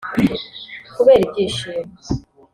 Kubera ibyishimo